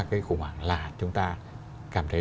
cái khủng hoảng là chúng ta cảm thấy